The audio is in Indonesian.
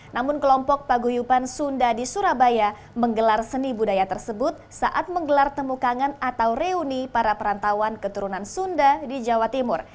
namun kelompok paguyupan sunda di surabaya menggelar seni budaya tersebut saat menggelar temukangan atau reuni para perantauan keturunan sunda di jawa timur